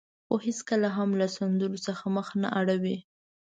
خو هېڅکله هم له سندرو څخه مخ نه اړوي.